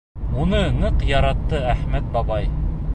Уны ныҡ яратты Әхмәт бабай.